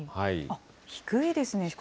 あっ、低いですね。